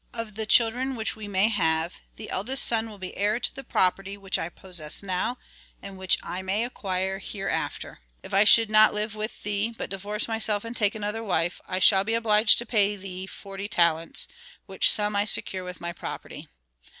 Of the children which we may have the eldest son will be heir to the property which I possess now and which I may acquire hereafter. If I should not live with thee, but divorce myself and take another wife, I shall be obliged to pay thee forty talents, which sum I secure with my property.